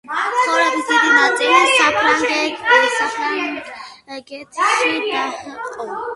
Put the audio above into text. ცხოვრების დიდი ნაწილი საფრანგეთში დაჰყო.